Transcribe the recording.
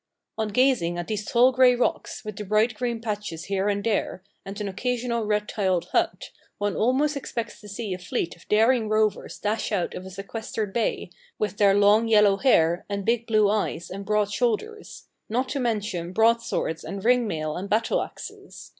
On gazing at these tall grey rocks, with the bright green patches here and there, and an occasional red tiled hut, one almost expects to see a fleet of daring rovers dash out of a sequestered bay, with their long yellow hair, and big blue eyes, and broad shoulders not to mention broad swords and ring mail and battle axes.